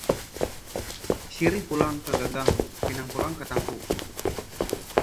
Sirih pulang ke gagang, pinang pulang ke tampuk